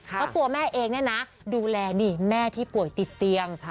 เพราะตัวแม่เองเนี่ยนะดูแลนี่แม่ที่ป่วยติดเตียง